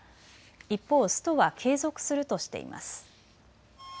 一方、ストは継続するとしています。